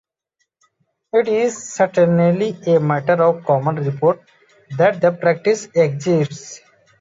It is certainly a matter of common report that the practice exists.